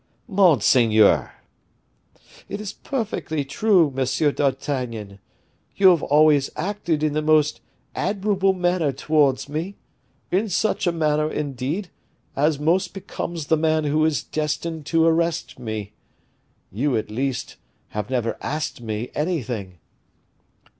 "Monseigneur!" "It is perfectly true, Monsieur d'Artagnan; you have always acted in the most admirable manner towards me in such a manner, indeed, as most becomes the man who is destined to arrest me. You, at least, have never asked me anything."